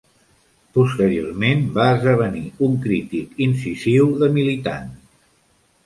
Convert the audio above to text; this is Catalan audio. Posteriorment, va esdevenir un crític incisiu de Militant.